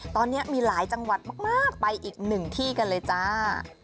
ตอนนี้มีหลายจังหวัดมากไปอีกหนึ่งที่กันเลยจ้า